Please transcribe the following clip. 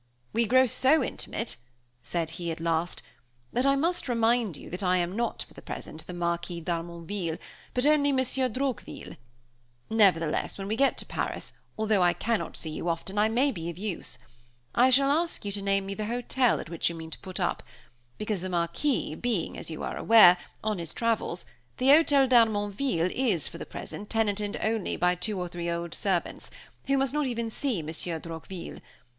"We grow so intimate," said he, at last, "that I must remind you that I am not, for the present, the Marquis d'Harmonville, but only Monsieur Droqville; nevertheless, when we get to Paris, although I cannot see you often I may be of use. I shall ask you to name to me the hotel at which you mean to put up; because the Marquis being, as you are aware, on his travels, the Hotel d'Harmonville is, for the present, tenanted only by two or three old servants, who must not even see Monsieur Droqville.